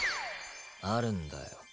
あるんだよ